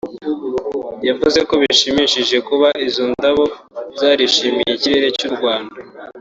yavuze ko bishimishije kuba izo ndabo zarishimiye ikirere cy’u Rwanda